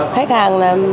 khách hàng là